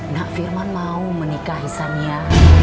nggak firman mau menikahi saniya